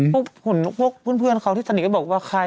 พวกเพื่อนเขาที่สนิทก็บอกว่าใคร